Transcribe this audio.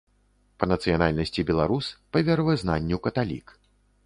Па нацыянальнасці беларус, па веравызнанню каталік.